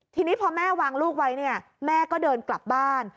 ทีนี้พอแม่วางลูกไว้เนี่ยแม่ก็เดินกลับบ้าน